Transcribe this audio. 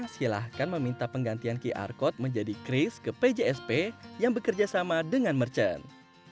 silahkan meminta penggantian qr code menjadi kris ke pjsp yang bekerja sama dengan merchant